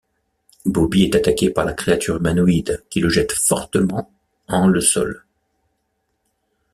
Bobby est attaqué par la créature humanoïde qui le jette fortement en le sol.